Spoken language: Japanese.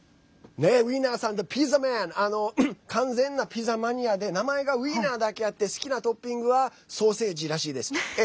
完全なピザマニアで名前がウィーナーだけあって好きなトッピングはソーセージらしいです。